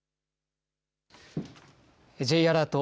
Ｊアラート